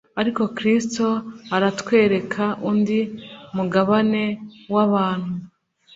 Ariko Kristo aratwereka undi mugabane w'abantu